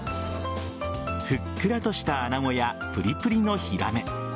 ふっくらとしたアナゴやプリプリのヒラメ。